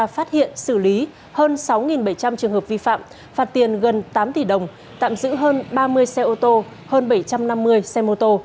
phát hiện xử lý hơn sáu bảy trăm linh trường hợp vi phạm phạt tiền gần tám tỷ đồng tạm giữ hơn ba mươi xe ô tô hơn bảy trăm năm mươi xe mô tô